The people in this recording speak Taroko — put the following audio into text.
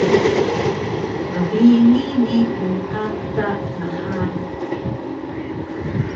gbingi ni uqa ta nhari